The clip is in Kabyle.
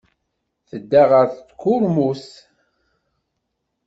Tedda ɣer tkurmut.